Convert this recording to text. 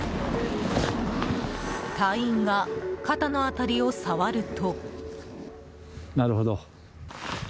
隊員が肩の辺りを触ると。